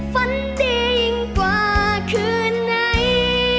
ฝันดียิ่งกว่าคือไหน